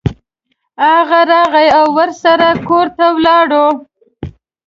هغه راغی او ورسره کور ته ولاړو.